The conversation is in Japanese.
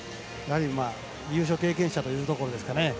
優勝経験者というところですかね。